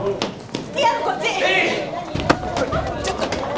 ちょっと。